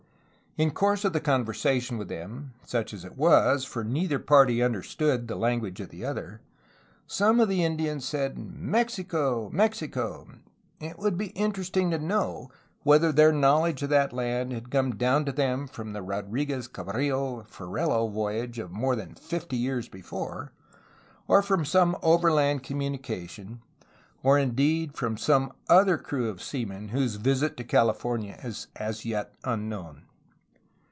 In course of the conversa tion with them, such as it was (for neither party understood the language of the other), some of the Indians said "Mexico ! Mexico!'' It would be interesting to know whether their knowledge of that land had come down to them from the Rodriguez Cabrillo Ferrelo voyage of more than fifty years before, or from some overland communication, or indeed from some other crew of seamen whose visit to California is as yet unknown.